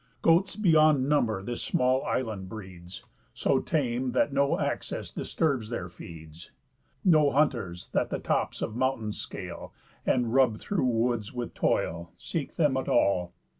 Goats beyond number this small island breeds, So tame, that no access disturbs their feeds, No hunters, that the tops of mountains scale, And rub through woods with toil, seek them at all.